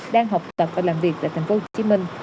đang học tập và làm việc tại tp hcm